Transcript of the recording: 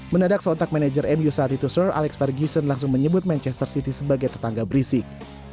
menadak sontak manajer mu saat itu sur alex verguson langsung menyebut manchester city sebagai tetangga berisik